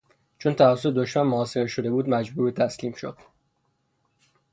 چون توسط دشمن محاصره شده بود مجبور به تسلیم شد.